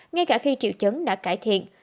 ngay cả khi triệu chứng đã cải thiện